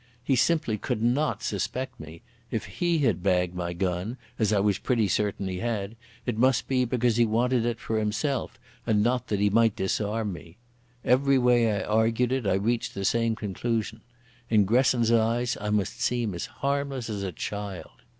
He simply could not suspect me; if he had bagged my gun, as I was pretty certain he had, it must be because he wanted it for himself and not that he might disarm me. Every way I argued it I reached the same conclusion. In Gresson's eyes I must seem as harmless as a child.